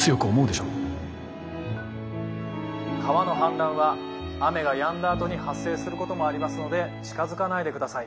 「川の氾濫は雨がやんだあとに発生することもありますので近づかないでください。